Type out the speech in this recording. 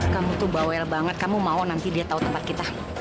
kamu tuh bawel banget kamu mau nanti dia tahu tempat kita